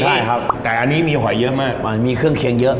ใช่ครับแต่อันนี้มีหอยเยอะมากมันมีเครื่องเคียงเยอะ